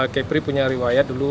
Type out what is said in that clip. kepri punya riwayat dulu